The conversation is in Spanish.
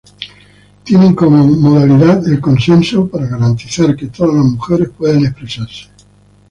Tienen como modalidad el consenso, para garantizar que todas las mujeres puedan expresarse.